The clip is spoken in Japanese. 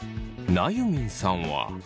なゆみんさんは。